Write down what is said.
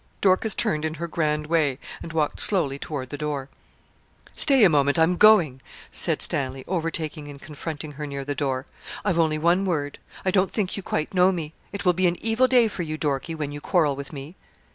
Dorcas turned in her grand way, and walked slowly toward the door. 'Stay a moment, I'm going,' said Stanley, overtaking and confronting her near the door. 'I've only one word. I don't think you quite know me. It will be an evil day for you, Dorkie, when you quarrel with me.'